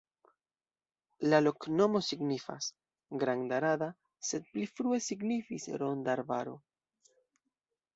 La loknomo signifas: granda-rada, sed pli frue signifis ronda arbaro.